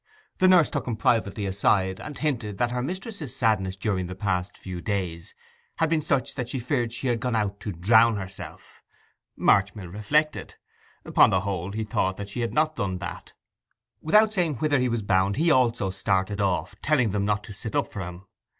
The nurse took him privately aside, and hinted that her mistress's sadness during the past few days had been such that she feared she had gone out to drown herself. Marchmill reflected. Upon the whole he thought that she had not done that. Without saying whither he was bound he also started off, telling them not to sit up for him.